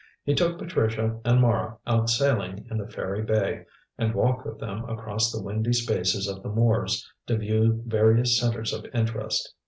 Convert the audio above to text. He took Patricia and Mara out sailing in the fairy bay, and walked with them across the windy spaces of the moors to view various centres of interest.